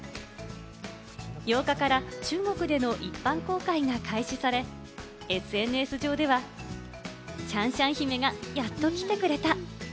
８日から中国での一般公開が開始され、ＳＮＳ上では、シャンシャン姫がやっと来てくれた。